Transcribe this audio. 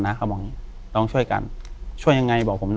อยู่ที่แม่ศรีวิรัยยิวยลครับ